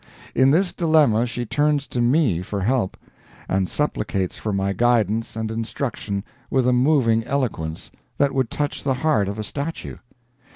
In this dilemma she turns to me for help, and supplicates for my guidance and instruction with a moving eloquence that would touch the heart of a statue.